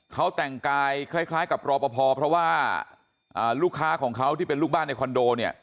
เขาแต่งกายคล้ายกับรอปภเพราะว่าลูกค้าของเขาที่เป็นลูกบ้านในคอนโดเนี่ย